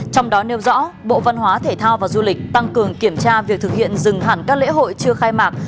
trong đó nêu rõ bộ văn hóa thể thao và du lịch tăng cường kiểm tra việc thực hiện dừng hẳn các lễ hội chưa khai mạc